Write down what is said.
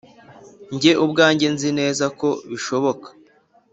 Jye ubwanjye nzi neza ko bishoboka